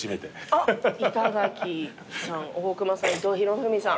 あっ板垣さん大隈さん伊藤博文さん。